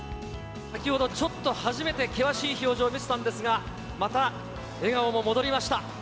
先ほどちょっと初めて険しい表情を見せたんですが、また笑顔も戻りました。